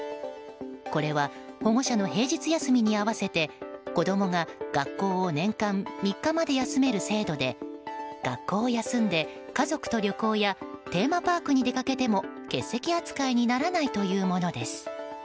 これは保護者の平日休みに合わせて子供が学校を年間３日まで休める制度で学校を休んで家族と旅行やテーマパークに出かけても欠席扱いにならないというものです。